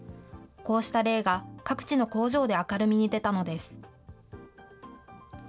こうした例が、各地の工場で明るみに出たのです。